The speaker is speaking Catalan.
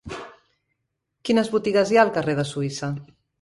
Quines botigues hi ha al carrer de Suïssa?